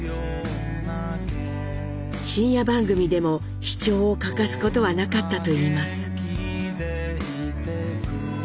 深夜番組でも視聴を欠かすことはなかったといいます。